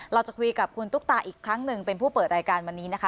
เราจะคุยกับคุณตุ๊กตาอีกครั้งหนึ่งเป็นผู้เปิดรายการวันนี้นะคะ